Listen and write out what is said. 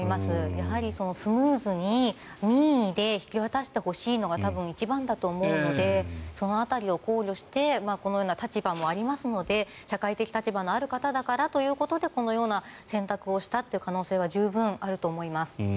やはりスムーズに任意で引き渡してもらうのが多分一番だと思うのでその辺りを考慮してこのような立場もありますので社会的立場のある方だからということでこのような選択をしたという可能性は十分あると思います。